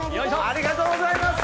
ありがとうございます！